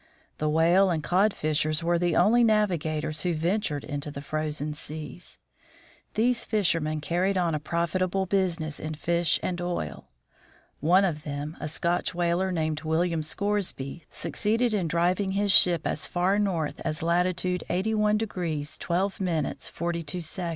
The whale and cod fishers were the only navigators who ventured into the frozen seas. These fishermen carried on a profitable business in fish and oil. One of them, a Scotch whaler named William Scoresby, succeeded in driving his 8 THE FROZEN NORTH ship as far north as latitude 8 1° 12' 42".